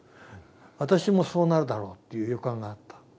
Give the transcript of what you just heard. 私もそうなるだろうという予感があった。